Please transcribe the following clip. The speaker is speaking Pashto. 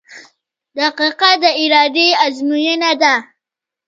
• دقیقه د ارادې ازموینه ده.